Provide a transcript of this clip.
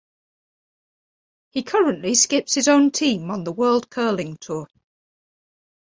He currently skips his own team on the World Curling Tour.